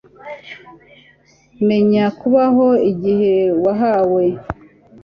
menya kubaho igihe wahawe